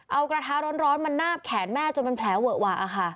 เอากระทะร้อนมันนาบแขนแม่จนมันแผลเวอะวะ